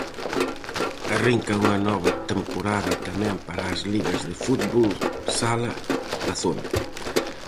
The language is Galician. Arrinca unha nova temporada tamén para as ligas de fútbol sala da zona.